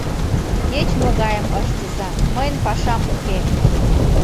— Кеч-могайым ыштыза, мыйын пашам уке...